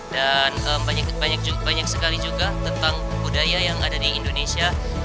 dan banyak sekali juga tentang budaya yang ada di indonesia